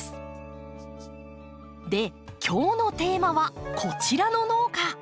で今日のテーマはこちらの農家！